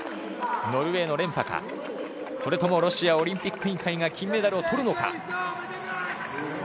ノルウェーの連覇かそれともロシアオリンピック委員会が金メダルをとるのか。